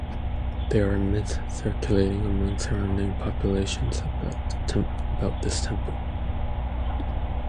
There are myths circulating among surrounding populations about this temple.